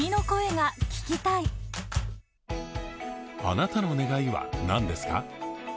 あなたの願いは、なんですか？